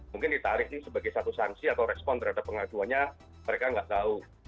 mungkin ditarik ini sebagai satu sanksi atau respon terhadap pengaduannya mereka nggak tahu